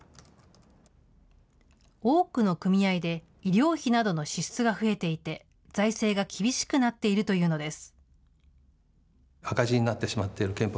多くの組合で、医療費などの支出が増えていて、財政が厳しくなっているというのです。